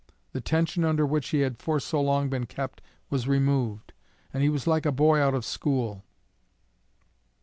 The tension under which he had for so long been kept was removed, and he was like a boy out of school.